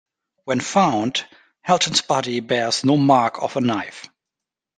When found, Helton's body bears no mark of a knife.